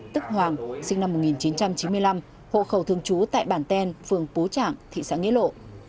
tức hoàng sinh năm một nghìn chín trăm chín mươi năm hộ khẩu thương chú tại bản ten phường pố trạng thị xã nghĩa lộ